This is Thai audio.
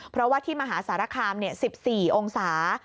เพราะว่าที่มหาสารคาม๑๔องศา